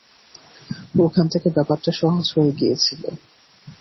ওখান থেকে ব্যাপারটা সহজ হয়ে গিয়েছিল।